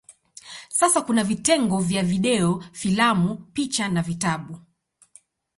Sasa kuna vitengo vya video, filamu, picha na vitabu.